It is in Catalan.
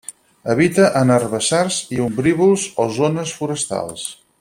Habita en herbassars i ombrívols o zones forestals.